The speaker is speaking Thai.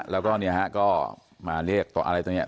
แล้วก็เนี่ยฮะก็มาเรียกต่ออะไรตรงนี้